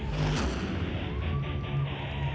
และแพ้๒๐ไฟ